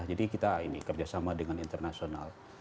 jadi kita ini kerjasama dengan internasional